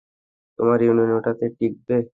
তোমার ইউনিয়ন এটাতে টিকবে?